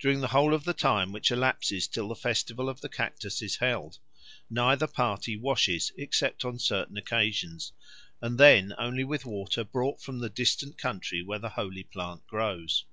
During the whole of the time which elapses till the festival of the cactus is held, neither party washes except on certain occasions, and then only with water brought from the distant country where the holy plant grows.